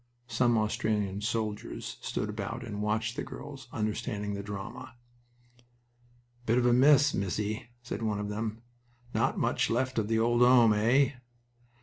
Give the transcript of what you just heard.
Some Australian soldiers stood about and watched the girls, understanding the drama. "Bit of a mess, missy!" said one of them. "Not much left of the old home, eh?"